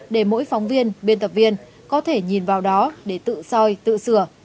để mỗi phóng viên biên tập viên có thể nhìn vào đó để tự soi tự sửa